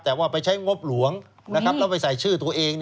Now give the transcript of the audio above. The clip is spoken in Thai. แต่ว่าไปใช้งบหลวงแล้วไปใส่ชื่อตัวเอง